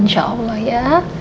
insya allah ya